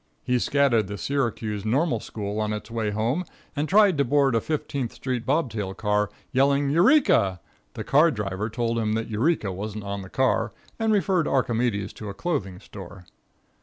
He scattered the Syracuse Normal school on its way home, and tried to board a Fifteenth street bob tail car, yelling "Eureka!" The car driver told him that Eureka wasn't on the car, and referred Archimedes to a clothing store.